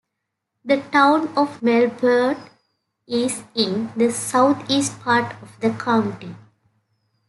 The Town of Marlborough is in the southeast part of the county.